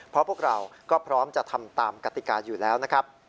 เพราะพวกเราก็พร้อมจะทำตามกติกาอยู่แล้วนะครับ